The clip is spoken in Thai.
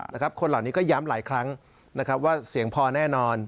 นะครับคนเหล่านี้ก็ย้ำหลายครั้งว่าเสียงพอแน่นอน